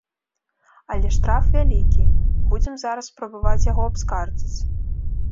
Але штраф вялікі, будзем зараз спрабаваць яго абскардзіць.